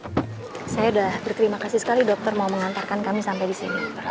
saya sudah berterima kasih sekali dokter mau mengantarkan kami sampai di sini